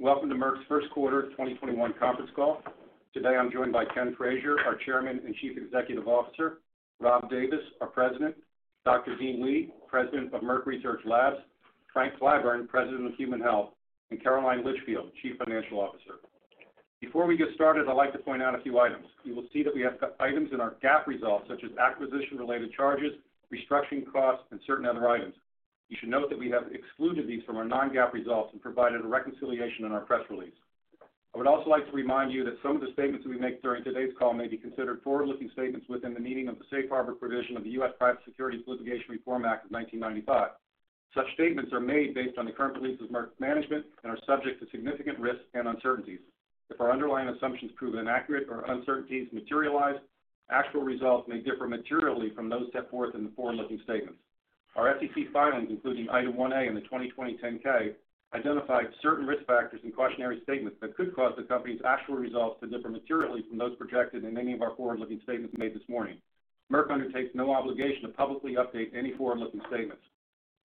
Welcome to Merck's first quarter 2021 conference call. Today, I'm joined by Ken Frazier, our Chairman and Chief Executive Officer, Rob Davis, our President, Dr. Dean Li, President of Merck Research Labs, Frank Clyburn, President of Human Health, and Caroline Litchfield, Chief Financial Officer. Before we get started, I'd like to point out a few items. You will see that we have items in our GAAP results, such as acquisition-related charges, restructuring costs, and certain other items. You should note that we have excluded these from our non-GAAP results and provided a reconciliation in our press release. I would also like to remind you that some of the statements that we make during today's call may be considered forward-looking statements within the meaning of the safe harbor provision of the U.S. Private Securities Litigation Reform Act of 1995. Such statements are made based on the current beliefs of Merck's management and are subject to significant risks and uncertainties. If our underlying assumptions prove inaccurate or uncertainties materialize, actual results may differ materially from those set forth in the forward-looking statements. Our SEC filings, including Item 1A in the 2020 10-K, identify certain risk factors and cautionary statements that could cause the company's actual results to differ materially from those projected in many of our forward-looking statements made this morning. Merck undertakes no obligation to publicly update any forward-looking statements.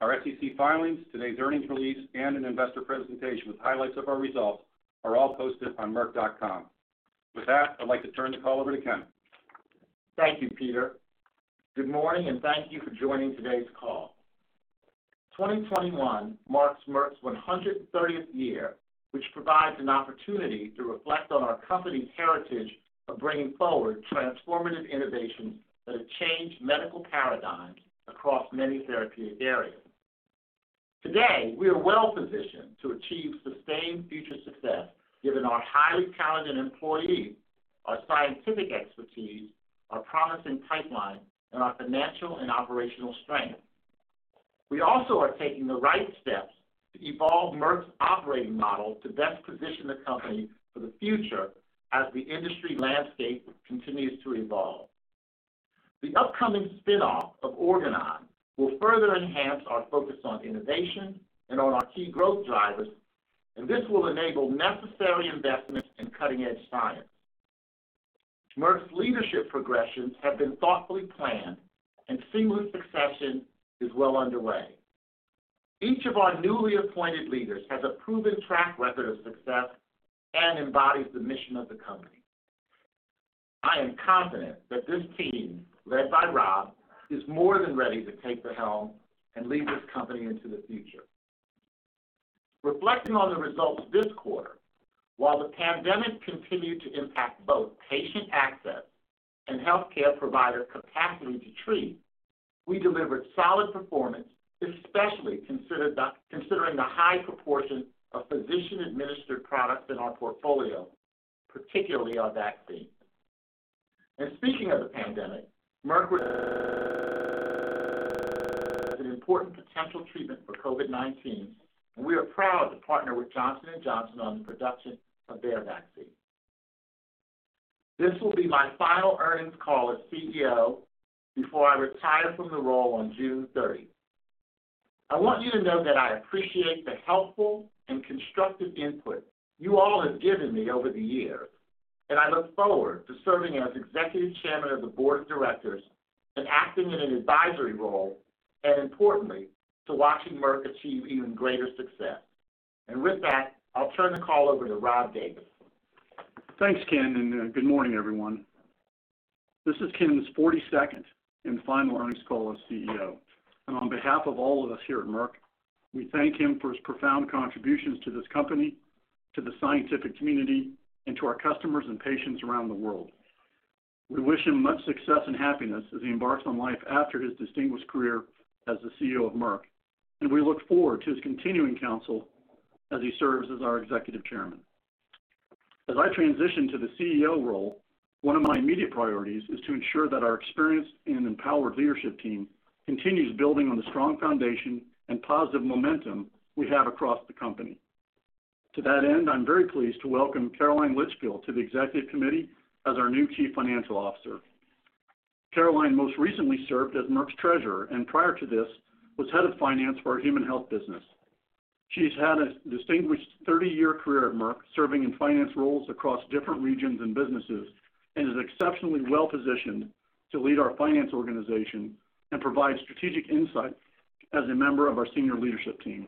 Our SEC filings, today's earnings release, and an investor presentation with highlights of our results are all posted on merck.com. With that, I'd like to turn the call over to Ken. Thank you, Peter. Good morning, and thank you for joining today's call. 2021 marks Merck's 130th year, which provides an opportunity to reflect on our company's heritage of bringing forward transformative innovations that have changed medical paradigms across many therapeutic areas. Today, we are well-positioned to achieve sustained future success, given our highly talented employees, our scientific expertise, our promising pipeline, and our financial and operational strength. We also are taking the right steps to evolve Merck's operating model to best position the company for the future as the industry landscape continues to evolve. The upcoming spin-off of Organon will further enhance our focus on innovation and on our key growth drivers, and this will enable necessary investments in cutting-edge science. Merck's leadership progressions have been thoughtfully planned, and seamless succession is well underway. Each of our newly appointed leaders has a proven track record of success and embodies the mission of the company. I am confident that this team, led by Rob, is more than ready to take the helm and lead this company into the future. Reflecting on the results this quarter, while the pandemic continued to impact both patient access and healthcare provider capacity to treat, we delivered solid performance, especially considering the high proportion of physician-administered products in our portfolio, particularly our vaccine. Speaking of the pandemic, Merck has an important potential treatment for COVID-19, and we are proud to partner with Johnson & Johnson on the production of their vaccine. This will be my final earnings call as CEO before I retire from the role on June 30th. I want you to know that I appreciate the helpful and constructive input you all have given me over the years, and I look forward to serving as Executive Chairman of the Board of Directors and acting in an advisory role, and importantly, to watching Merck achieve even greater success. With that, I'll turn the call over to Rob Davis. Thanks, Ken. Good morning, everyone. This is Ken's 42nd and final earnings call as CEO. On behalf of all of us here at Merck, we thank him for his profound contributions to this company, to the scientific community, and to our customers and patients around the world. We wish him much success and happiness as he embarks on life after his distinguished career as the CEO of Merck. We look forward to his continuing counsel as he serves as our Executive Chairman. As I transition to the CEO role, one of my immediate priorities is to ensure that our experienced and empowered leadership team continues building on the strong foundation and positive momentum we have across the company. To that end, I am very pleased to welcome Caroline Litchfield to the executive committee as our new Chief Financial Officer. Caroline most recently served as Merck's Treasurer, and prior to this, was Head of Finance for our Human Health business. She's had a distinguished 30-year career at Merck, serving in finance roles across different regions and businesses, and is exceptionally well-positioned to lead our finance organization and provide strategic insight as a member of our senior leadership team.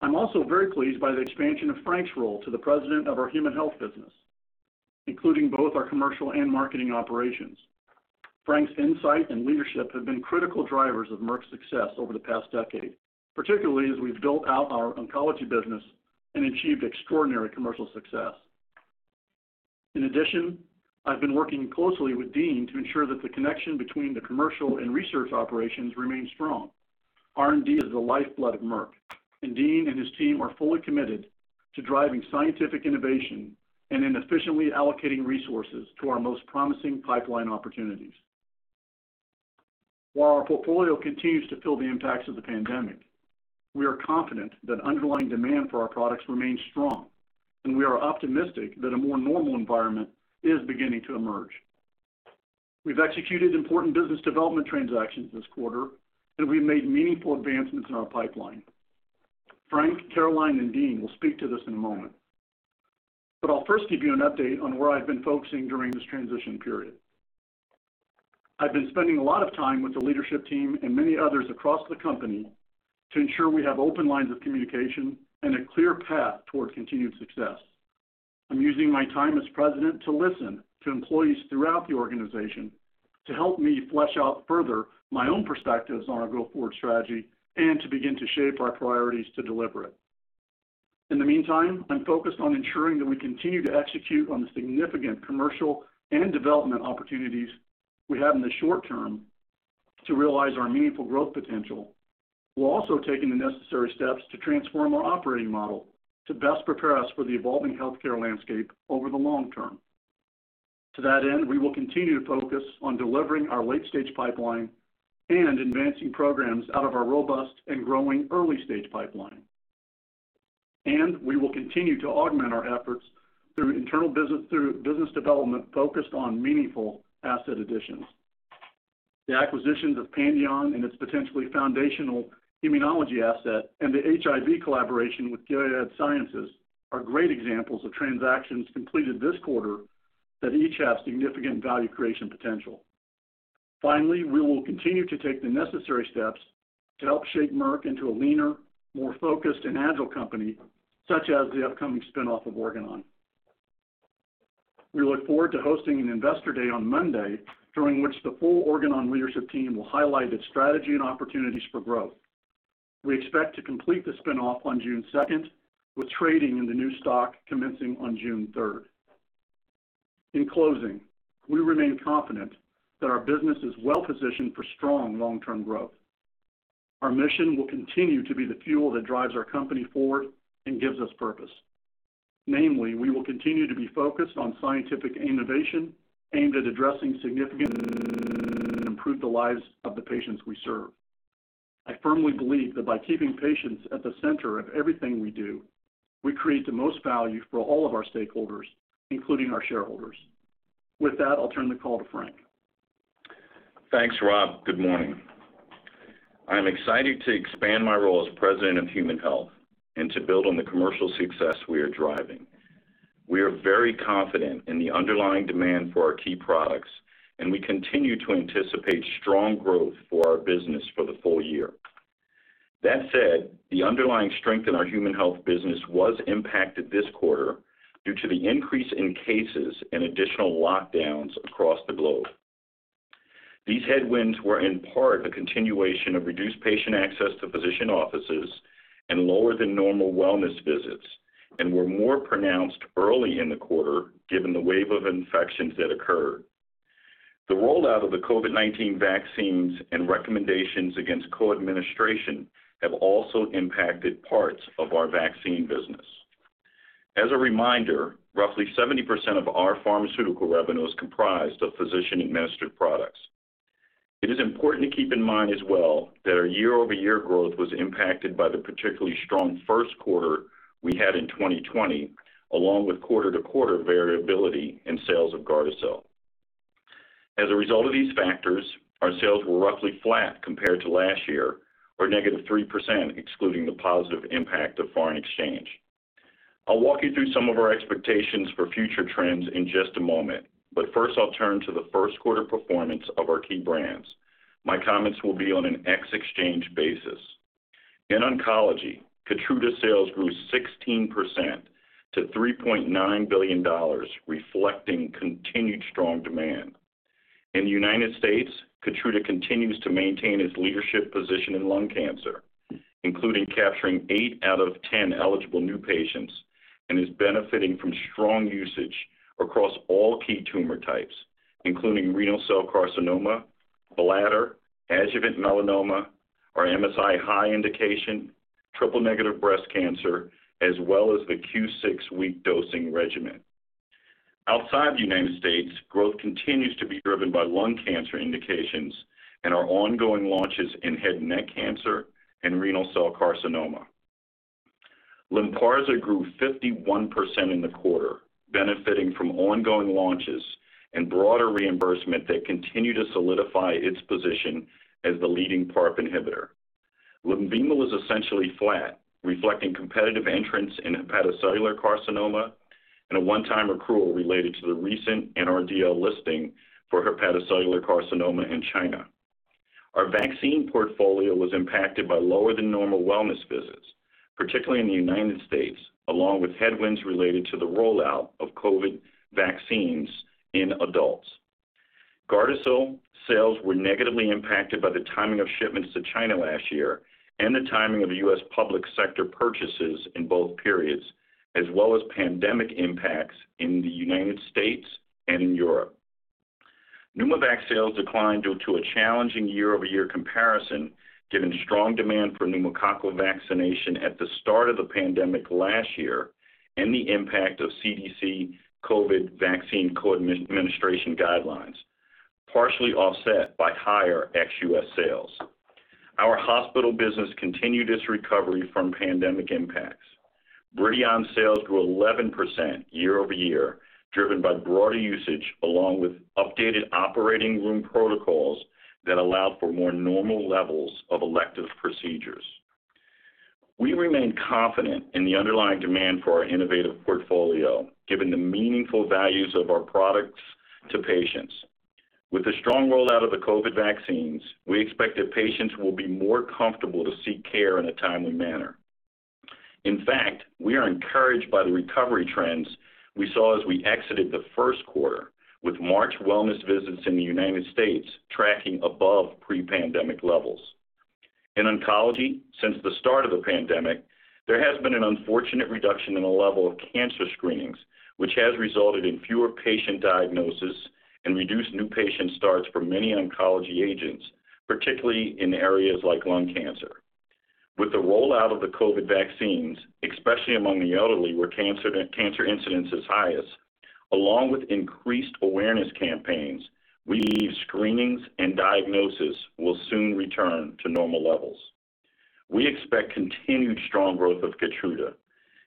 I'm also very pleased by the expansion of Frank's role to the President of our Human Health business, including both our commercial and marketing operations. Frank's insight and leadership have been critical drivers of Merck's success over the past decade, particularly as we've built out our oncology business and achieved extraordinary commercial success. In addition, I've been working closely with Dean to ensure that the connection between the commercial and research operations remains strong. R&D is the lifeblood of Merck, and Dean and his team are fully committed to driving scientific innovation and in efficiently allocating resources to our most promising pipeline opportunities. While our portfolio continues to feel the impacts of the pandemic, we are confident that underlying demand for our products remains strong, and we are optimistic that a more normal environment is beginning to emerge. We've executed important business development transactions this quarter, and we've made meaningful advancements in our pipeline. Frank, Caroline, and Dean will speak to this in a moment, but I'll first give you an update on where I've been focusing during this transition period. I've been spending a lot of time with the leadership team and many others across the company to ensure we have open lines of communication and a clear path toward continued success. I'm using my time as president to listen to employees throughout the organization to help me flesh out further my own perspectives on our go-forward strategy and to begin to shape our priorities to deliver it. In the meantime, I'm focused on ensuring that we continue to execute on the significant commercial and development opportunities we have in the short term to realize our meaningful growth potential. We're also taking the necessary steps to transform our operating model to best prepare us for the evolving healthcare landscape over the long term. To that end, we will continue to focus on delivering our late-stage pipeline and advancing programs out of our robust and growing early-stage pipeline. We will continue to augment our efforts through business development focused on meaningful asset additions. The acquisitions of Pandion and its potentially foundational immunology asset, and the HIV collaboration with Gilead Sciences are great examples of transactions completed this quarter that each have significant value creation potential. Finally, we will continue to take the necessary steps to help shape Merck into a leaner, more focused, and agile company, such as the upcoming spin-off of Organon. We look forward to hosting an investor day on Monday, during which the full Organon leadership team will highlight its strategy and opportunities for growth. We expect to complete the spin-off on June 2nd, with trading in the new stock commencing on June 3rd. In closing, we remain confident that our business is well-positioned for strong long-term growth. Our mission will continue to be the fuel that drives our company forward and gives us purpose. Mainly, we will continue to be focused on scientific innovation aimed at addressing significant and improve the lives of the patients we serve. I firmly believe that by keeping patients at the center of everything we do, we create the most value for all of our stakeholders, including our shareholders. With that, I'll turn the call to Frank. Thanks, Rob. Good morning. I am excited to expand my role as President of Human Health and to build on the commercial success we are driving. We are very confident in the underlying demand for our key products, and we continue to anticipate strong growth for our business for the full year. The underlying strength in our Human Health business was impacted this quarter due to the increase in cases and additional lockdowns across the globe. These headwinds were in part a continuation of reduced patient access to physician offices and lower than normal wellness visits and were more pronounced early in the quarter given the wave of infections that occurred. The rollout of the COVID-19 vaccines and recommendations against co-administration have also impacted parts of our vaccine business. As a reminder, roughly 70% of our pharmaceutical revenue is comprised of physician-administered products. It is important to keep in mind as well that our year-over-year growth was impacted by the particularly strong first quarter we had in 2020, along with quarter-to-quarter variability in sales of GARDASIL. As a result of these factors, our sales were roughly flat compared to last year, or negative 3% excluding the positive impact of foreign exchange. I'll walk you through some of our expectations for future trends in just a moment, but first, I'll turn to the first quarter performance of our key brands. My comments will be on an ex-exchange basis. In oncology, KEYTRUDA sales grew 16% to $3.9 billion, reflecting continued strong demand. In the U.S., KEYTRUDA continues to maintain its leadership position in lung cancer, including capturing eight out of 10 eligible new patients and is benefiting from strong usage across all key tumor types, including renal cell carcinoma, bladder, adjuvant melanoma, our MSI-high indication, triple-negative breast cancer, as well as the Q6 week dosing regimen. Outside the U.S., growth continues to be driven by lung cancer indications and our ongoing launches in head and neck cancer and renal cell carcinoma. LYNPARZA grew 51% in the quarter, benefiting from ongoing launches and broader reimbursement that continue to solidify its position as the leading PARP inhibitor. LENVIMA was essentially flat, reflecting competitive entrants in hepatocellular carcinoma and a one-time accrual related to the recent NRDL listing for hepatocellular carcinoma in China. Our vaccine portfolio was impacted by lower than normal wellness visits, particularly in the United States, along with headwinds related to the rollout of COVID vaccines in adults. GARDASIL sales were negatively impacted by the timing of shipments to China last year and the timing of the U.S. public sector purchases in both periods, as well as pandemic impacts in the United States and in Europe. PNEUMOVAX sales declined due to a challenging year-over-year comparison, given strong demand for pneumococcal vaccination at the start of the pandemic last year and the impact of CDC COVID vaccine co-administration guidelines, partially offset by higher ex-U.S. sales. Our hospital business continued its recovery from pandemic impacts. BRIDION sales grew 11% year-over-year, driven by broader usage, along with updated operating room protocols that allow for more normal levels of elective procedures. We remain confident in the underlying demand for our innovative portfolio, given the meaningful values of our products to patients. With the strong rollout of the COVID vaccines, we expect that patients will be more comfortable to seek care in a timely manner. In fact, we are encouraged by the recovery trends we saw as we exited the first quarter, with March wellness visits in the U.S. tracking above pre-pandemic levels. In oncology, since the start of the pandemic, there has been an unfortunate reduction in the level of cancer screenings, which has resulted in fewer patient diagnoses and reduced new patient starts for many oncology agents, particularly in areas like lung cancer. With the rollout of the COVID vaccines, especially among the elderly, where cancer incidence is highest, along with increased awareness campaigns, we believe screenings and diagnosis will soon return to normal levels. We expect continued strong growth of KEYTRUDA,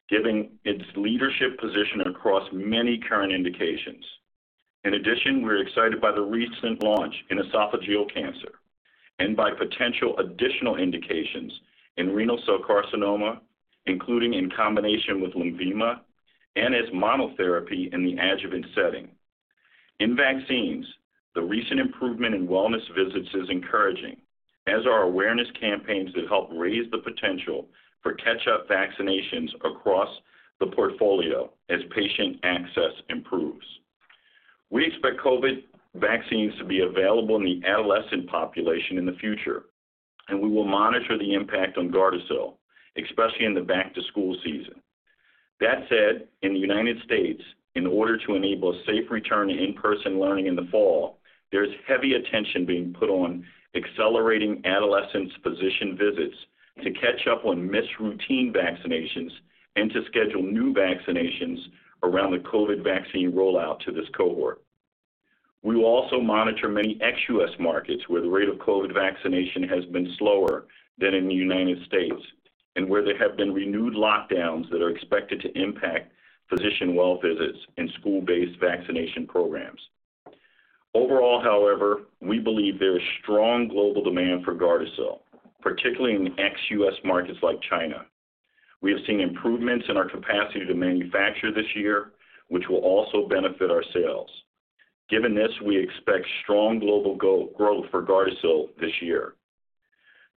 given its leadership position across many current indications. In addition, we're excited by the recent launch in esophageal cancer and by potential additional indications in renal cell carcinoma, including in combination with LENVIMA and as monotherapy in the adjuvant setting. In vaccines, the recent improvement in wellness visits is encouraging, as are awareness campaigns that help raise the potential for catch-up vaccinations across the portfolio as patient access improves. We expect COVID vaccines to be available in the adolescent population in the future, and we will monitor the impact on GARDASIL, especially in the back-to-school season. That said, in the U.S., in order to enable a safe return to in-person learning in the fall, there is heavy attention being put on accelerating adolescents' physician visits to catch up on missed routine vaccinations and to schedule new vaccinations around the COVID vaccine rollout to this cohort. We will also monitor many ex-U.S. markets where the rate of COVID vaccination has been slower than in the U.S. and where there have been renewed lockdowns that are expected to impact physician well visits and school-based vaccination programs. Overall, however, we believe there is strong global demand for GARDASIL, particularly in ex-U.S. markets like China. We have seen improvements in our capacity to manufacture this year, which will also benefit our sales. Given this, we expect strong global growth for GARDASIL this year.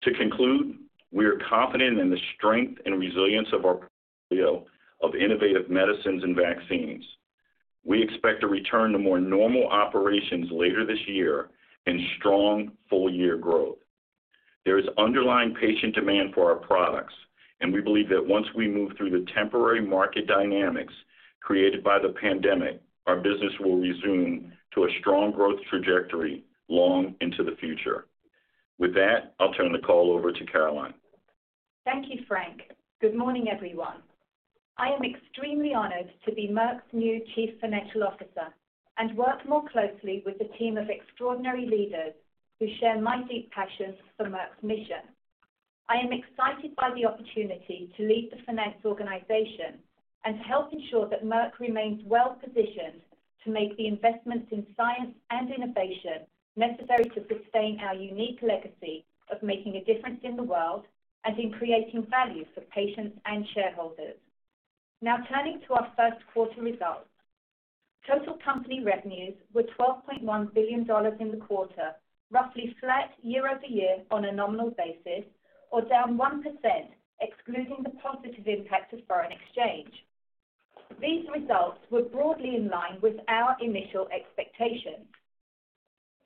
To conclude, we are confident in the strength and resilience of our portfolio of innovative medicines and vaccines. We expect a return to more normal operations later this year and strong full-year growth. There is underlying patient demand for our products. We believe that once we move through the temporary market dynamics created by the pandemic, our business will resume to a strong growth trajectory long into the future. With that, I'll turn the call over to Caroline. Thank you, Frank. Good morning, everyone. I am extremely honored to be Merck's new Chief Financial Officer and work more closely with the team of extraordinary leaders who share my deep passion for Merck's mission. I am excited by the opportunity to lead the finance organization and to help ensure that Merck remains well-positioned to make the investments in science and innovation necessary to sustain our unique legacy of making a difference in the world and in creating value for patients and shareholders. Now turning to our first quarter results. Total company revenues were $12.1 billion in the quarter, roughly flat year-over-year on a nominal basis or down 1% excluding the positive impact of foreign exchange. These results were broadly in line with our initial expectations.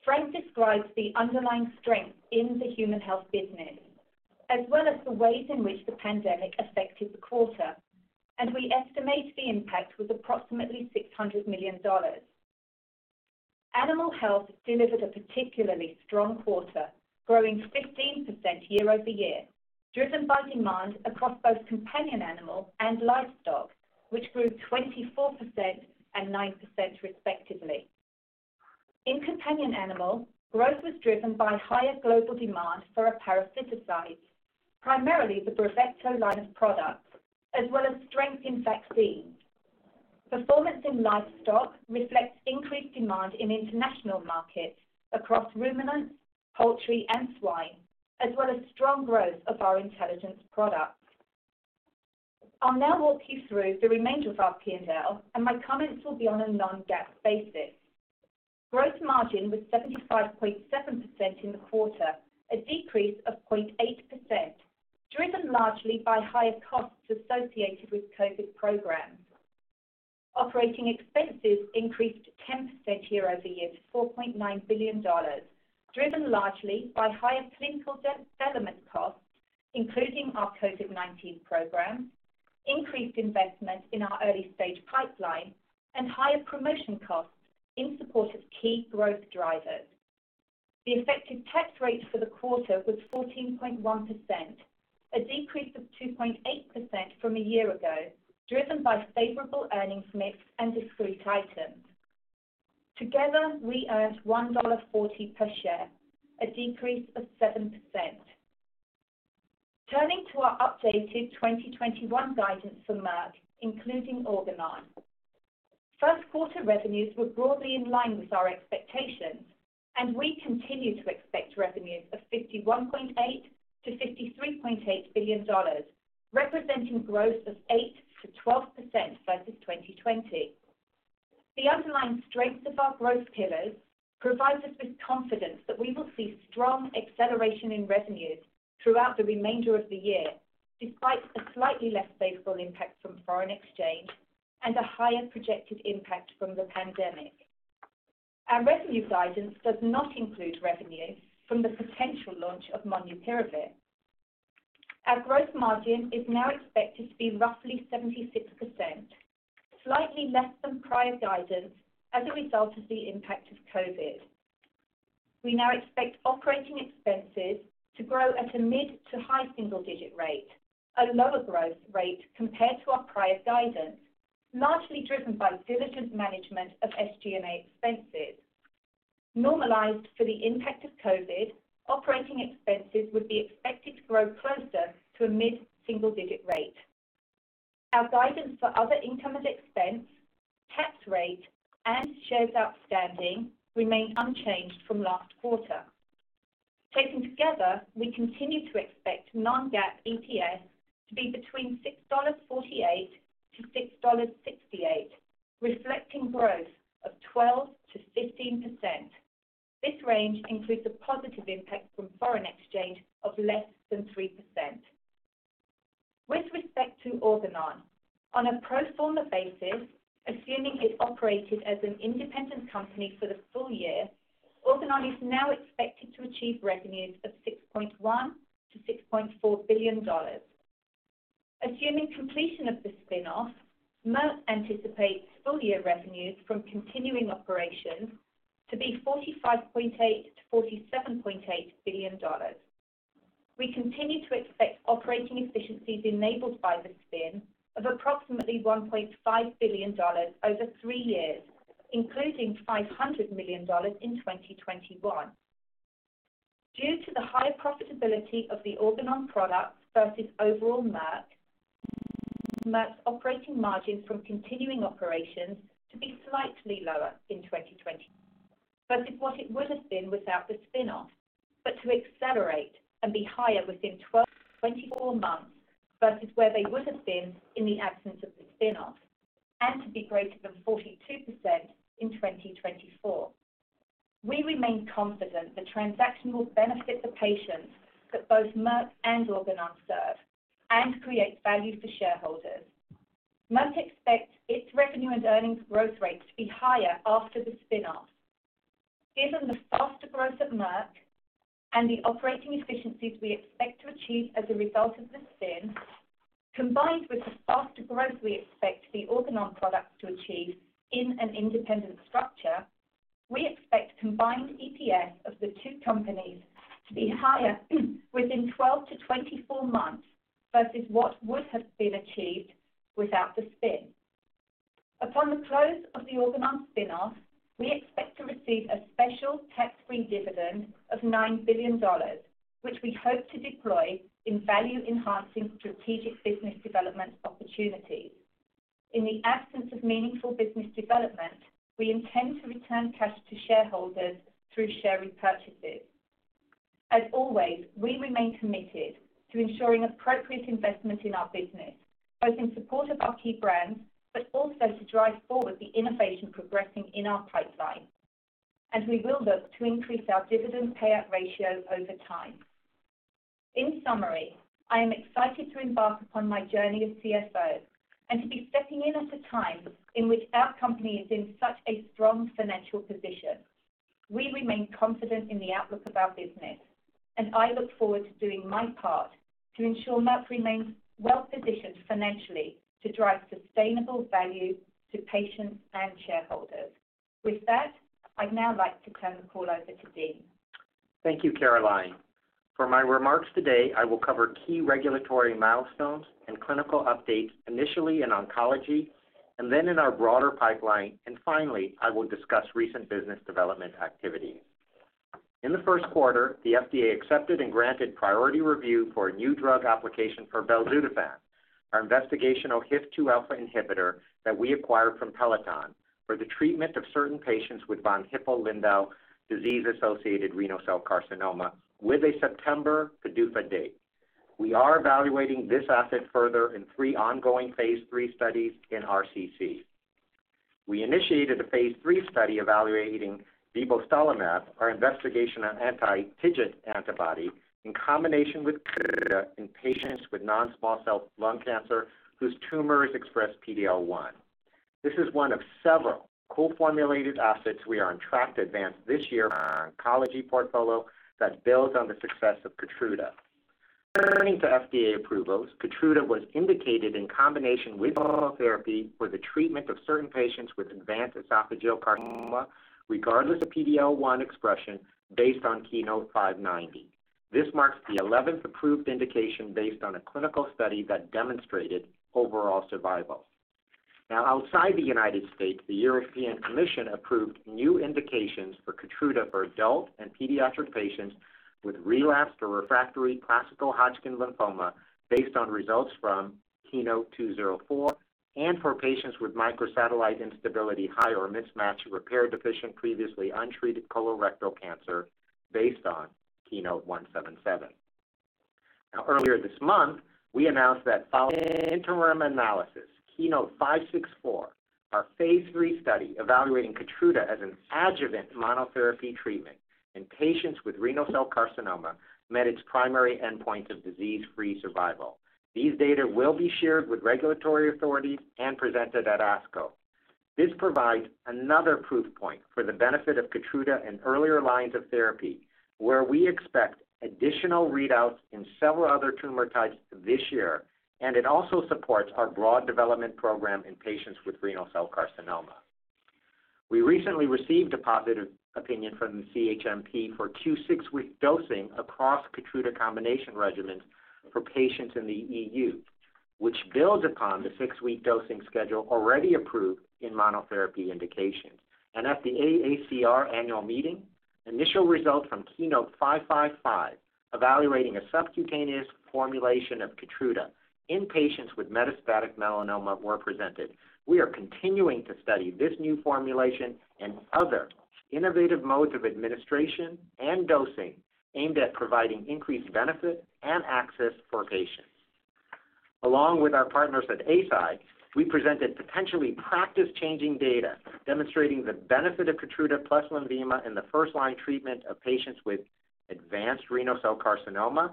Frank described the underlying strength in the Human Health business, as well as the ways in which the pandemic affected the quarter, and we estimate the impact was approximately $600 million. Animal Health delivered a particularly strong quarter, growing 15% year-over-year, driven by demand across both companion animal and livestock, which grew 24% and 9%, respectively. In companion animal, growth was driven by higher global demand for our parasiticides, primarily the BRAVECTO line of products, as well as strength in vaccines. Performance in livestock reflects increased demand in international markets across ruminants, poultry, and swine, as well as strong growth of our intelligence products. I will now walk you through the remainder of our P&L. My comments will be on a non-GAAP basis. Gross margin was 75.7% in the quarter, a decrease of 0.8%, driven largely by higher costs associated with COVID programs. Operating expenses increased 10% year-over-year to $4.9 billion, driven largely by higher clinical development costs, including our COVID-19 program, increased investment in our early-stage pipeline, and higher promotion costs in support of key growth drivers. The effective tax rate for the quarter was 14.1%, a decrease of 2.8% from a year ago, driven by favorable earnings mix and discrete items. Together, we earned $1.40 per share, a decrease of 7%. Turning to our updated 2021 guidance for Merck, including Organon. First quarter revenues were broadly in line with our expectations, and we continue to expect revenues of $51.8 billion-$53.8 billion, representing growth of 8%-12% versus 2020. The underlying strength of our growth pillars provides us with confidence that we will see strong acceleration in revenues throughout the remainder of the year, despite a slightly less favorable impact from foreign exchange and a higher projected impact from the pandemic. Our revenue guidance does not include revenue from the potential launch of molnupiravir. Our gross margin is now expected to be roughly 76%, slightly less than prior guidance as a result of the impact of COVID. We now expect operating expenses to grow at a mid to high single-digit rate, a lower growth rate compared to our prior guidance, largely driven by diligent management of SG&A expenses. Normalized for the impact of COVID, operating expenses would be expected to grow closer to a mid-single-digit rate. Our guidance for other income and expense, tax rate, and shares outstanding remain unchanged from last quarter. Taken together, we continue to expect non-GAAP EPS to be between $6.48-$6.68, reflecting growth of 12%-15%. This range includes a positive impact from foreign exchange of less than 3%. With respect to Organon, on a pro forma basis, assuming it operated as an independent company for the full year, Organon is now expected to achieve revenues of $6.1 billion-$6.4 billion. Assuming completion of the spin-off, Merck anticipates full-year revenues from continuing operations to be $45.8 billion-$47.8 billion. We continue to expect operating efficiencies enabled by the spin of approximately $1.5 billion over three years, including $500 million in 2021. Due to the higher profitability of the Organon products versus overall Merck's operating margin from continuing operations to be slightly lower in 2020 versus what it would've been without the spin-off, but to accelerate and be higher within 12-24 months versus where they would've been in the absence of the spin-off, and to be greater than 42% in 2024. We remain confident the transaction will benefit the patients that both Merck and Organon serve and create value for shareholders. Merck expects its revenue and earnings growth rates to be higher after the spin-off. Given the faster growth of Merck and the operating efficiencies we expect to achieve as a result of the spin, combined with the faster growth we expect the Organon products to achieve in an independent structure, we expect combined EPS of the two companies to be higher within 12-24 months versus what would have been achieved without the spin. Upon the close of the Organon spin-off, we expect to receive a special tax-free dividend of $9 billion, which we hope to deploy in value-enhancing strategic business development opportunities. In the absence of meaningful business development, we intend to return cash to shareholders through share repurchases. As always, we remain committed to ensuring appropriate investment in our business, both in support of our key brands, but also to drive forward the innovation progressing in our pipeline, and we will look to increase our dividend payout ratio over time. In summary, I am excited to embark upon my journey as CFO and to be stepping in at a time in which our company is in such a strong financial position. We remain confident in the outlook of our business, and I look forward to doing my part to ensure Merck remains well-positioned financially to drive sustainable value to patients and shareholders. With that, I'd now like to turn the call over to Dean. Thank you, Caroline. For my remarks today, I will cover key regulatory milestones and clinical updates, initially in oncology, then in our broader pipeline. Finally, I will discuss recent business development activity. In the first quarter, the FDA accepted and granted priority review for a new drug application for belzutifan, our investigational HIF-2α inhibitor that we acquired from Peloton, for the treatment of certain patients with von Hippel-Lindau disease-associated renal cell carcinoma with a September PDUFA date. We are evaluating this asset further in three ongoing phase III studies in RCC. We initiated a phase III study evaluating vibostalimab, our investigational anti-TIGIT antibody, in combination with KEYTRUDA in patients with non-small cell lung cancer whose tumors express PD-L1. This is one of several co-formulated assets we are on track to advance this year in our oncology portfolio that builds on the success of KEYTRUDA. Turning to FDA approvals, KEYTRUDA was indicated in combination with therapy for the treatment of certain patients with advanced esophageal carcinoma, regardless of PD-L1 expression based on KEYNOTE-590. This marks the 11th approved indication based on a clinical study that demonstrated overall survival. Outside the United States, the European Commission approved new indications for KEYTRUDA for adult and pediatric patients with relapsed or refractory classical Hodgkin lymphoma, based on results from KEYNOTE-204 and for patients with microsatellite instability-high or mismatch repair deficient previously untreated colorectal cancer based on KEYNOTE-177. Earlier this month, we announced that following an interim analysis, KEYNOTE-564, our phase III study evaluating KEYTRUDA as an adjuvant monotherapy treatment in patients with renal cell carcinoma, met its primary endpoint of disease-free survival. These data will be shared with regulatory authorities and presented at ASCO. This provides another proof point for the benefit of KEYTRUDA in earlier lines of therapy, where we expect additional readouts in several other tumor types this year. It also supports our broad development program in patients with renal cell carcinoma. We recently received a positive opinion from the CHMP for Q6 week dosing across KEYTRUDA combination regimens for patients in the EU, which builds upon the six-week dosing schedule already approved in monotherapy indications. At the AACR Annual Meeting, initial results from KEYNOTE-555, evaluating a subcutaneous formulation of KEYTRUDA in patients with metastatic melanoma, were presented. We are continuing to study this new formulation and other innovative modes of administration and dosing aimed at providing increased benefit and access for patients. Along with our partners at Eisai, we presented potentially practice-changing data demonstrating the benefit of KEYTRUDA plus LENVIMA in the first-line treatment of patients with advanced renal cell carcinoma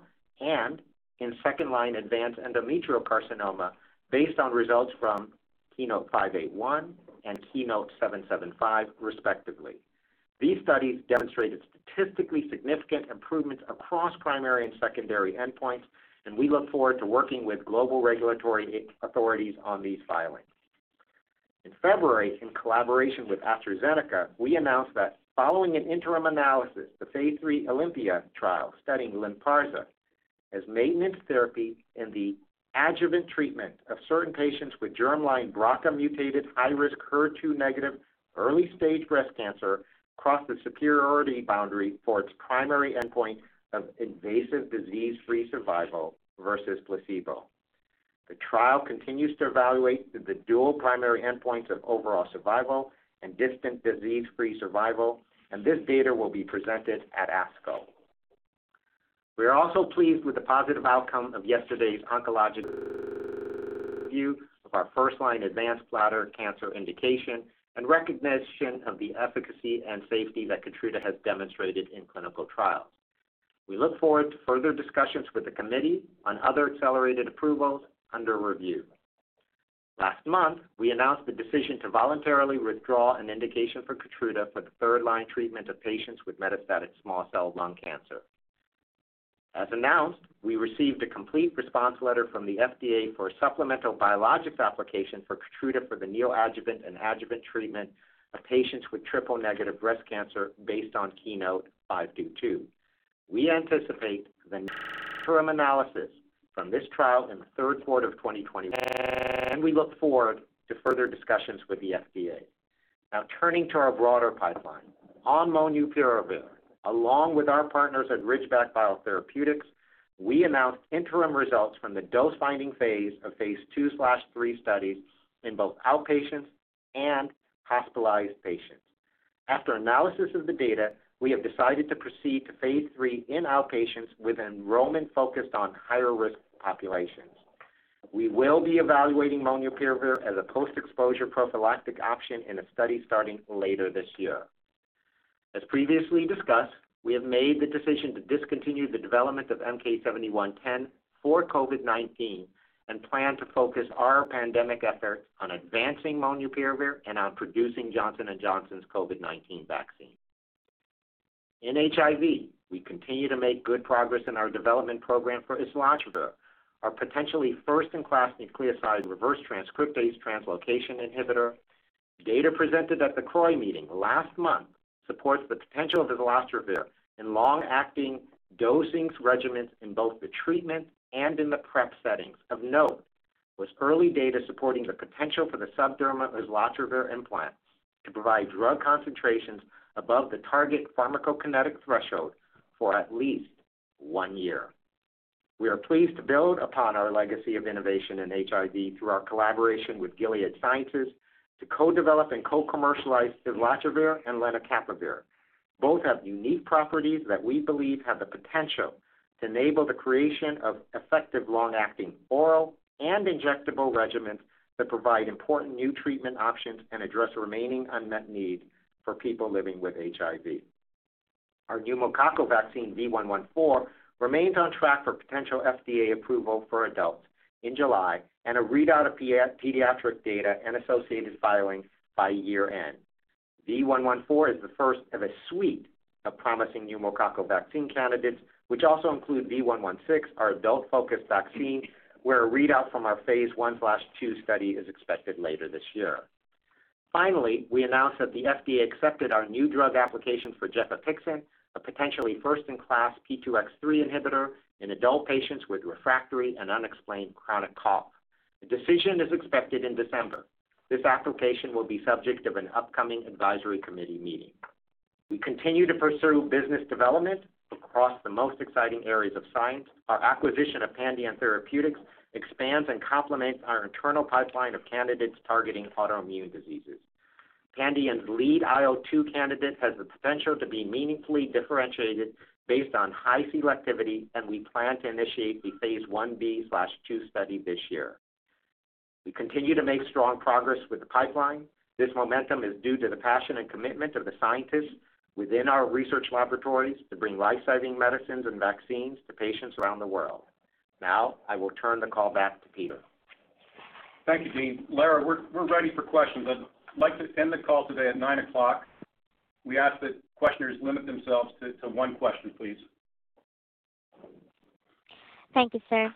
and in second-line advanced endometrial carcinoma based on results from KEYNOTE-581 and KEYNOTE-775, respectively. These studies demonstrated statistically significant improvements across primary and secondary endpoints, and we look forward to working with global regulatory authorities on these filings. In February, in collaboration with AstraZeneca, we announced that following an interim analysis, the phase III OlympiA trial studying LYNPARZA as maintenance therapy in the adjuvant treatment of certain patients with germline BRCA-mutated, high-risk, HER2-negative, early-stage breast cancer crossed the superiority boundary for its primary endpoint of invasive disease-free survival versus placebo. The trial continues to evaluate the dual primary endpoints of overall survival and distant disease-free survival, and this data will be presented at ASCO. We are also pleased with the positive outcome of yesterday's oncologic review of our first-line advanced bladder cancer indication and recognition of the efficacy and safety that KEYTRUDA has demonstrated in clinical trials. We look forward to further discussions with the committee on other accelerated approvals under review. Last month, we announced the decision to voluntarily withdraw an indication for KEYTRUDA for the third-line treatment of patients with metastatic small cell lung cancer. As announced, we received a complete response letter from the FDA for a supplemental biologics application for KEYTRUDA for the neoadjuvant and adjuvant treatment of patients with triple-negative breast cancer based on KEYNOTE-522. We anticipate the interim analysis from this trial in the third quarter of 2024, and we look forward to further discussions with the FDA. Turning to our broader pipeline. On molnupiravir, along with our partners at Ridgeback Biotherapeutics, we announced interim results from the dose-finding phase of phase II/III studies in both outpatients and hospitalized patients. After analysis of the data, we have decided to proceed to phase III in outpatients with enrollment focused on higher-risk populations. We will be evaluating molnupiravir as a post-exposure prophylactic option in a study starting later this year. As previously discussed, we have made the decision to discontinue the development of MK-7110 for COVID-19 and plan to focus our pandemic efforts on advancing molnupiravir and on producing Johnson & Johnson's COVID-19 vaccine. In HIV, we continue to make good progress in our development program for islatravir, our potentially first-in-class nucleoside reverse transcriptase translocation inhibitor. Data presented at the CROI meeting last month supports the potential of islatravir in long-acting dosing regimens in both the treatment and in the PrEP settings. Of note was early data supporting the potential for the subdermal islatravir implant to provide drug concentrations above the target pharmacokinetic threshold for at least one year. We are pleased to build upon our legacy of innovation in HIV through our collaboration with Gilead Sciences to co-develop and co-commercialize islatravir and lenacapavir. Both have unique properties that we believe have the potential to enable the creation of effective long-acting oral and injectable regimens that provide important new treatment options and address remaining unmet need for people living with HIV. Our pneumococcal vaccine V114 remains on track for potential FDA approval for adults in July and a readout of pediatric data and associated filings by year-end. V114 is the first of a suite of promising pneumococcal vaccine candidates, which also include V116, our adult-focused vaccine, where a readout from our phase I/II study is expected later this year. Finally, we announced that the FDA accepted our new drug application for gefapixant, a potentially first-in-class P2X3 inhibitor in adult patients with refractory and unexplained chronic cough. A decision is expected in December. This application will be subject of an upcoming advisory committee meeting. We continue to pursue business development across the most exciting areas of science. Our acquisition of Pandion Therapeutics expands and complements our internal pipeline of candidates targeting autoimmune diseases. Pandion's lead IL-2 candidate has the potential to be meaningfully differentiated based on high selectivity, and we plan to initiate the phase I-B/II study this year. We continue to make strong progress with the pipeline. This momentum is due to the passion and commitment of the scientists within our research laboratories to bring life-saving medicines and vaccines to patients around the world. Now, I will turn the call back to Peter. Thank you, Dean Li. Lara, we're ready for questions. I'd like to end the call today at 9:00 A.M. We ask that questioners limit themselves to one question, please. Thank you, sir.